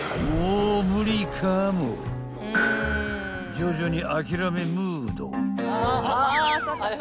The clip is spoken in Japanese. ［徐々に］